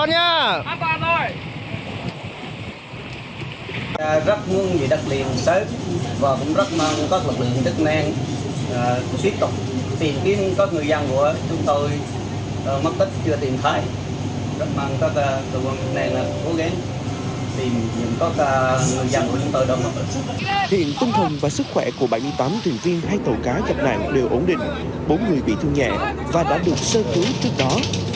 hiện tâm thần và sức khỏe của bảy mươi tám thuyền viên hai tàu cá gặp nạn đều ổn định bốn người bị thương nhẹ và đã được sơ cứu trước đó